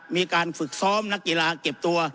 มีการฝึกซ้อมนักกีฬาเก็บตัว